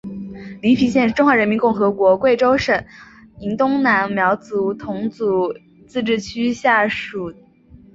黎平县是中华人民共和国贵州省黔东南苗族侗族自治州下属的一个县。